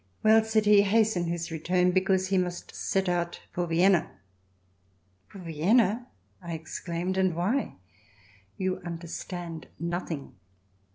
"Well!" said he, "hasten his return, because he must set out for Vienna." "For Vienna!" I exclaimed. "And why?" "You understand nothing.